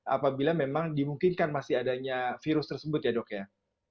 apabila memang dimungkinkan masih adanya virus tersebut ya dok ya